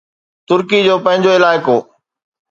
ترڪي جو پنهنجو علائقو